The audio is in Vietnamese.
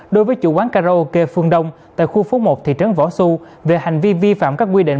đối với chủ quán karaoke phương đông tại khu phố một thị trấn võ xu về hành vi vi phạm các quy định